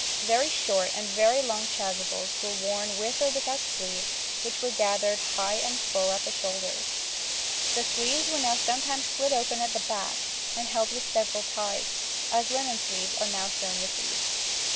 Very short and very long "chasubles" were worn with or without sleeves which were gathered high and full at the shoulders. The sleeves were now sometimes slit open at the back and held with several ties, as linen sleeves are now shown with these.